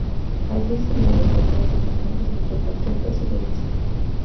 Allí se libraron batallas importantes entre "patriotas y realistas".